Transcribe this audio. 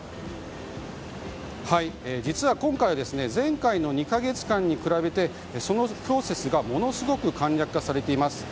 実は今回は前回の２か月間に比べてそのプロセスがものすごく簡略化されています。